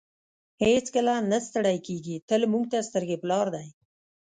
هېڅکله نه ستړی کیږي تل موږ ته سترګې په لار دی.